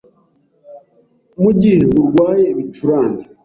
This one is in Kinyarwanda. Mu gihe urwaye ibicurane